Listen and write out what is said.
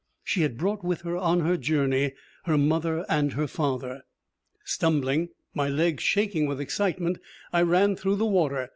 She had brought with her on her journey her mother and her father. Stumbling, my legs shaking with excitement, I ran through the water.